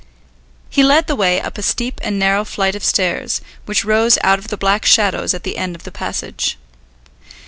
He led the way up a steep and narrow flight of stairs, which rose out of the black shadows at the end of the passage.